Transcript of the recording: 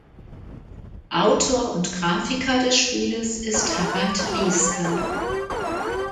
Autor und Grafiker des Spieles ist Harald Lieske.